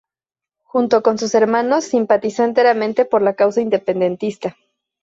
Junto con sus hermanos, simpatizó enteramente por la causa independentista.